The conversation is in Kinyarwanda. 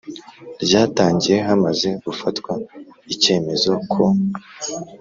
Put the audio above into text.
Ryatangiye Hamaze Gufatwa Icyemezo Ko